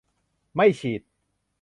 ไม่ฉีด